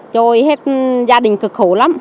trôi hết gia đình cực khổ lắm